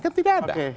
kan tidak ada